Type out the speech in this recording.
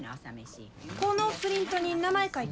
このプリントに名前書いて。